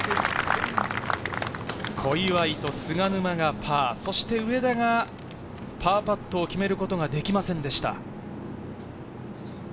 小祝と菅沼がパー、そして上田が、パーパットを決めることができませんでした。